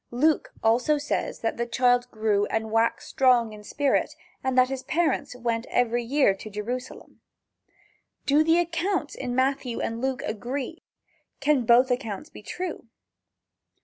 Luke also says that the child grew and waxed strong in spirit, and that his parents went every year to Jerusalem. Do the accounts in Matthew and Luke agree? Can both accounts be true?